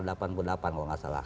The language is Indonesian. kalau tidak salah